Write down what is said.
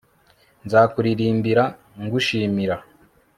nzakuririmbira ngushimira